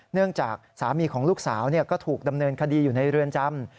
เนื่องจากสามีของลูกสาวก็ถูกดำเนินคดีอยู่ในเรือนจำ